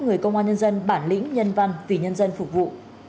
người công an nhân dân bản lĩnh nhân văn vì nhân dân phục vụ